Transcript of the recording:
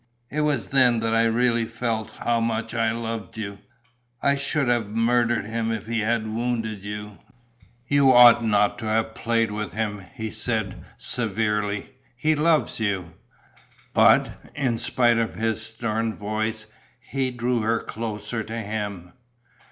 It was then that I really felt how much I loved you. I should have murdered him if he had wounded you." "You ought not to have played with him," he said, severely. "He loves you." But, in spite of his stern voice, he drew her closer to him.